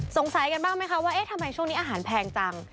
สงสัยกันบ้างไหมคะว่าเอ๊ะทำไมช่วงนี้อาหารแพงจัง